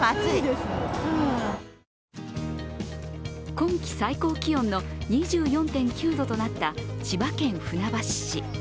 今季最高気温の２４．９度となった千葉県船橋市。